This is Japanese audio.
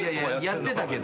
やってたけど。